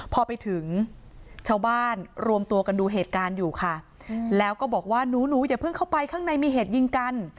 พอไปถึงชาวบ้านรวมตัวกันดูเหตุการณ์อยู่ค่ะแล้วก็บอกว่าหนูหนูอย่าเพิ่งเข้าไปข้างในมีเหตุยิงกัน